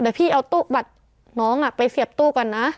เดี๋ยวพี่เอาตู้บัตรน้องไปเสียบตู้ก่อนนะ